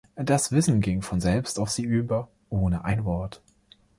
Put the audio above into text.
Das Wissen ging von selbst auf sie über, ohne ein Wort.